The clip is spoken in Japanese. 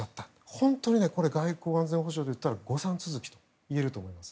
本当に外交安全保障で言ったら誤算続きといえると思います。